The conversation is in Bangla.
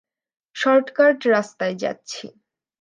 শর্টকার্ট রাস্তায় যাচ্ছি!